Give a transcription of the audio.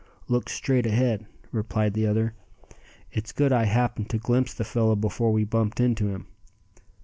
"Look straight ahead," replied the other. "It's good I happened to glimpse the fellow before we bumped into him."